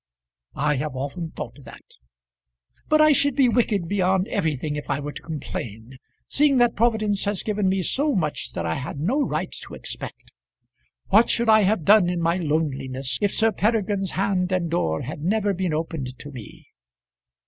"I have often thought that." "But I should be wicked beyond everything if I were to complain, seeing that Providence has given me so much that I had no right to expect. What should I have done in my loneliness if Sir Peregrine's hand and door had never been opened to me?"